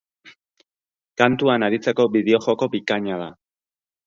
Kantuan aritzeko bideojoko bikaina da.